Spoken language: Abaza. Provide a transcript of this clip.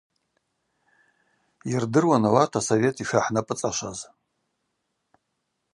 Йырдыруан ауат асовет йшгӏахӏнапӏыцӏашваз.